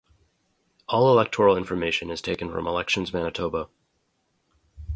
All electoral information is taken from Elections Manitoba.